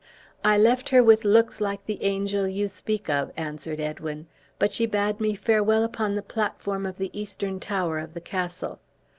"I left her with looks like the angel you speak of," answered Edwin; "but she bade me farewell upon the platform of the eastern tower of the castle.